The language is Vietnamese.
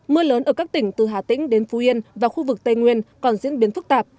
mưa lớn ở các tỉnh từ hà tĩnh đến phú yên và khu vực tây nguyên còn diễn biến phức tạp